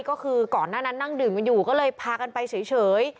ก็คือก่อนหน้านั้นนั่งดื่มกันอยู่ก็เลยพากันไปเฉย